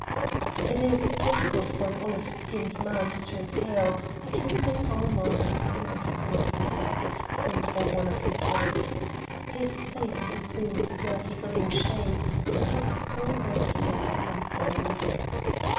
It is difficult for an olive skinned man to turn pale, but Hussein ul Mulk did the next most effective thing for one of his race. His face assumed a dirty green shade, and his full red lips whitened.